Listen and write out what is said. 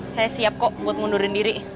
saya siap kok buat ngundurin diri